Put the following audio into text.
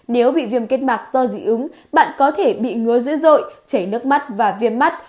nếu bị viêm kết mạc do dị ứng bạn có thể bị ngứa dữ dội chảy nước mắt và viêm mắt